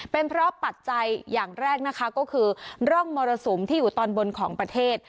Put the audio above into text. เป็นเพราะปัจจัยอย่างแรกนะคะก็คือร่องมรสุมที่อยู่ตอนบนของประเทศ